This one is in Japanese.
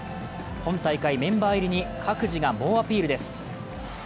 本大会メンバー入りに各自が猛アピールです。